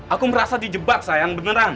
aku merasa di jebak sayang beneran